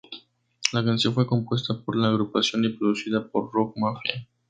La canción fue compuesta por la agrupación y producida por Rock Mafia.